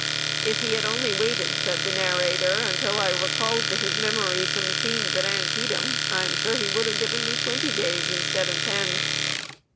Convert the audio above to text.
"If he had only waited," said the narrator, "until I recalled to his memory some scenes at Antietam, I am sure he would have given me twenty days instead of ten!"